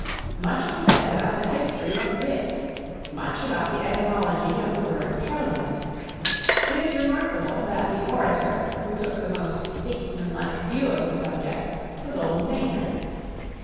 Much was said about the history of writs; much about the etymology of the word Parliament. It is remarkable, that the orator who took the most statesmanlike view of the subject was old Maynard.